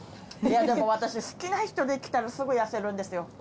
いやでも私好きな人できたらすぐ痩せるんですよ。